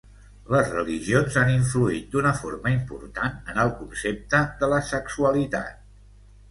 Les religions han influït d'una forma important en el concepte de la sexualitat.